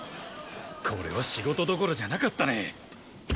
これは仕事どころじゃなかったね。